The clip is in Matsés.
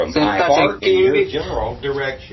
Seta chequimbi